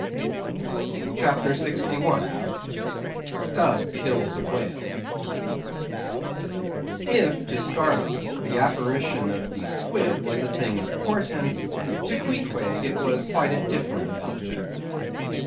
CHAPTER 61. Stubb Kills a Whale. If to Starbuck the apparition of the Squid was a thing of portents, to Queequeg it was quite a different object.